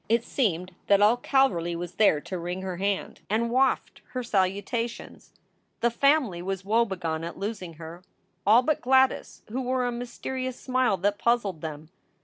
It seemed that all Calverly was there to wring her hand SOULS FOR SALE 403 and waft her salutations. The family was woebegone at losing her all but Gladys, who wore a mysterious smile that puzzled them.